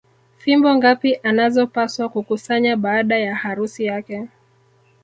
Fimbo ngapi anazopaswa kukusanya baada ya harusi yake